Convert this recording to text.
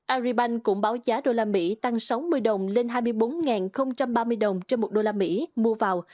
aribank cũng báo giá đô la mỹ tăng sáu mươi đồng lên hai mươi bốn ba mươi đồng trên một đô la mỹ mua vào